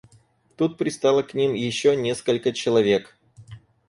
Тут пристало к ним еще несколько человек.